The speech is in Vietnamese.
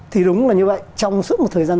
thì đúng là như vậy trong suốt một thời gian